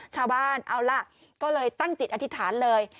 ชาวบ้านเอาล่ะก็เลยตั้งจิตอธิษฐานเลย